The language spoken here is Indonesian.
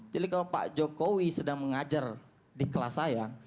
jadi kalau pak jokowi sedang mengajar di kelas saya